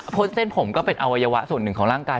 เพราะเส้นผมก็เป็นอวัยวะส่วนหนึ่งของร่างกาย